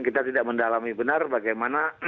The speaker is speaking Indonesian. kita tidak mendalami benar bagaimana